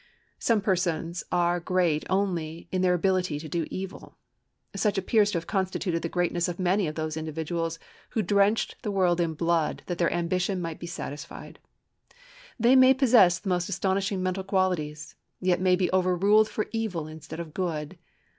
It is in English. Some persons are great only in their ability to do evil. Such appears to have constituted the greatness of many of those individuals who drenched the world in blood that their ambition might be satisfied. They may possess the most astonishing mental qualities, yet may be overruled for evil instead of good.